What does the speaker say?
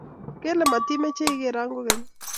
kele matimeche ikero kukeny?